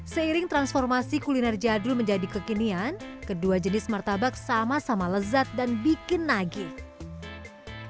seiring transformasi kuliner jadul menjadi kekinian kedua jenis martabak sama sama lezat dan bikin nagih